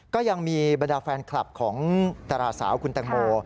ก็ยังมีบรรดาแฟนคลับของดาราสาวคุณแตงโม